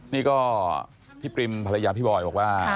นี่ก็พี่ปริมภรรยาพี่บอยบอกว่า